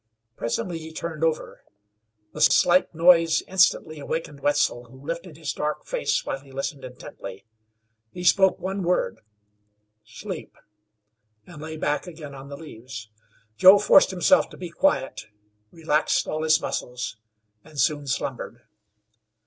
Presently he turned over. The slight noise instantly awakened Wetzel who lifted his dark face while he listened intently. He spoke one word: "Sleep," and lay back again on the leaves. Joe forced himself to be quiet, relaxed all his muscles and soon slumbered.